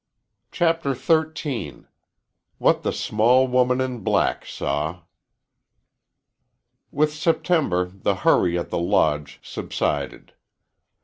CHAPTER XIII WHAT THE SMALL WOMAN IN BLACK SAW With September the hurry at the Lodge subsided.